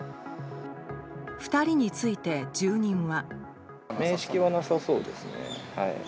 ２人について住人は。